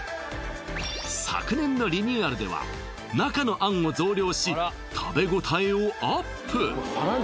昨年のリニューアルでは中の餡を増量し食べ応えをアップ